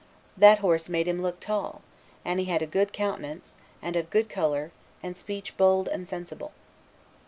That horse made him look tall; and he had a good countenance, and of good color, and speech bold and sensible."